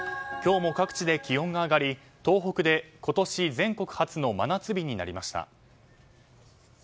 今日も各地で気温が上がり東北で今年全国初の真夏日になりました。